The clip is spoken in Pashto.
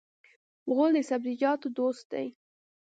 غول د سبزیجاتو دوست دی.